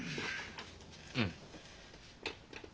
うん。